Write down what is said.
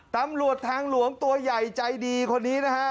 ตำรวจทางหลวงตัวใหญ่ใจดีคนนี้นะฮะ